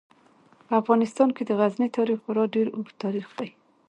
په افغانستان کې د غزني تاریخ خورا ډیر اوږد تاریخ دی.